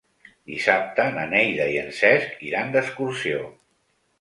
Dissabte na Neida i en Cesc iran d'excursió.